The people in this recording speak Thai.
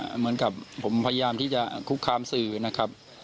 เหมือนกับผมพยายามที่จะคุกคามสื่อนะครับ